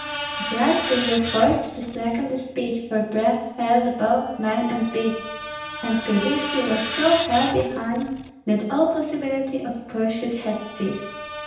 At last they were forced to slacken the speed, for breath failed both men and beasts, and Pilvishki was so far behind that all possibility of pursuit had ceased.